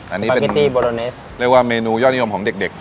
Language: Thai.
อันนี้เป็นบอโลเนสเรียกว่าเมนูย่อนิยมของเด็ก